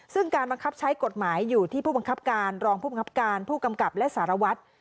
ซึ่งการบังคับใช้กฎหมายอยู่ที่ผู้บังคับการรองผู้บังคับการผู้กำกับและสารวัตร